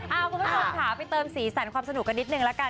เอาคุณผู้ชมค่ะไปเติมสีสันความสนุกกันนิดนึงละกัน